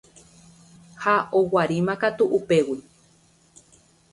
Ha oguaríma katu upégui.